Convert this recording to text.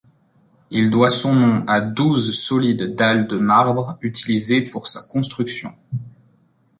Il doit son nom à douze solides dalles de marbre utilisées pour sa construction.